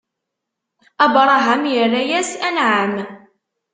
Abṛaham irra-yas: Anɛam!